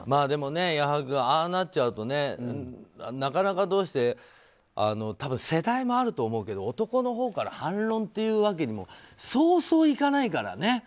でも矢作君、ああなっちゃうとなかなかどうして多分、世代もあると思うけど男のほうから反論というわけにもそうそういかないからね。